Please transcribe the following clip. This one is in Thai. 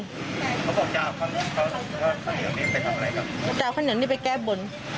เขาบอกจะเอาข้าวเหนียวนี้ไปทำอะไรกับจะเอาข้าวเหนียวนี้ไปแก้บน